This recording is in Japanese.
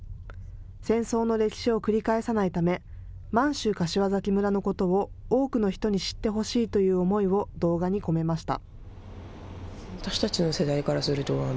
戦争の歴史を繰り返さないため満州柏崎村のことを多くの人に知ってほしいという思いを動画に込めました。